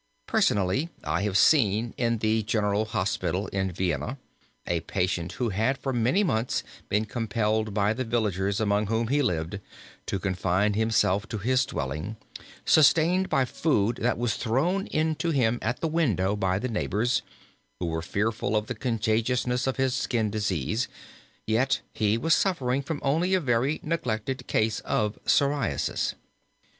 Personally I have seen in the General Hospital in Vienna, a patient who had for many months been compelled by the villagers among whom he lived to confine himself to his dwelling, sustained by food that was thrown into him at the window by the neighbors who were fearful of the contagiousness of his skin disease, yet he was suffering from only a very neglected case of psoriasis.